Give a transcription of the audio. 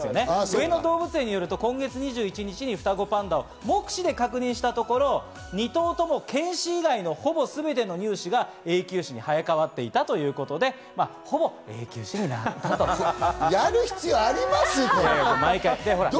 上野動物園によると今月２１日に双子パンダを目視で確認したところ、２頭とも犬歯以外のほぼすべての乳歯が永久歯に生え替わっていたということで、ほぼ永久歯になったということでこれやる必要ある？